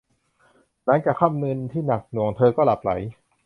หลังจากค่ำคืนที่หนักหน่วง เธอก็หลับใหล